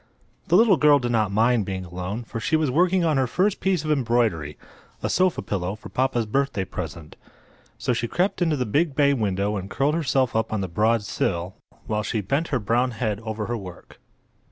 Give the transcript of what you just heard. The little girl did not mind being alone, for she was working on her first piece of embroidery—a sofa pillow for papa's birthday present. So she crept into the big bay window and curled herself up on the broad sill while she bent her brown head over her work.